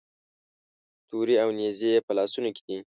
تورې او نیزې یې په لاسونو کې دي.